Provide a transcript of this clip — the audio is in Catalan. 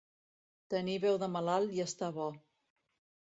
Tenir veu de malalt i estar bo.